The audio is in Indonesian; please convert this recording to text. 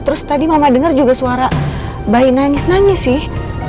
terus tadi mama dengar juga suara bayi nangis nangis sih